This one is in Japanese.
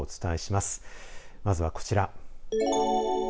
まずはこちら。